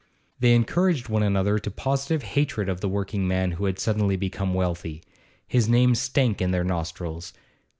They encouraged one another to positive hatred of the working man who had suddenly become wealthy; his name stank in their nostrils.